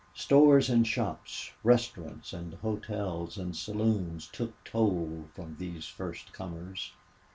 Stores and shops, restaurants and hotels and saloons, took toll from these first comers.